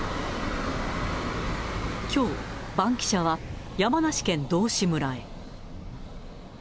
きょう、バンキシャは山梨県道志村へ。